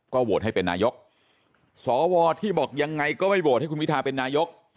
โหวตให้เป็นนายกสวที่บอกยังไงก็ไม่โหวตให้คุณวิทาเป็นนายก